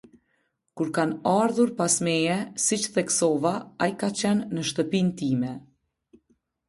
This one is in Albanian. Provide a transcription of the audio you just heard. Kur kanë ardhur pas meje, siç theksova, ai ka qenë në shtëpinë time.